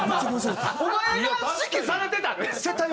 お前が指揮されてたで。